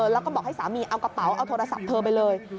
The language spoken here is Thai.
แล้วก็บอกให้สามีเอากระเป๋าเอาโทรศัพท์เธอไปเลย